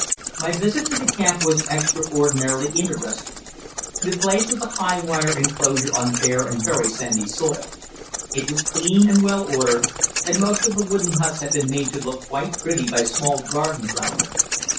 My visit to the camp was extraordinarily interesting. The place was a high wire enclosure on bare and very sandy soil. It was clean and well ordered, and most of the wooden huts had been made to look quite pretty by small gardens round them.